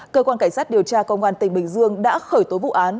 cơ quan cảnh sát điều tra công an tỉnh bình dương đã khởi tố vụ án